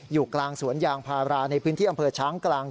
อยู่กลางสวนยางพาราในพื้นที่อำเภอช้างกลาง